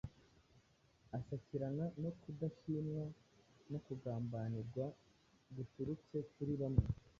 asakirana no kudashimwa no kugambanirwa guturutse kuri bamwe